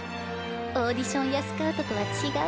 オーディションやスカウトとは違う。